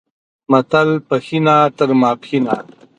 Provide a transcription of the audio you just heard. متل، پښینه تر ماپښینه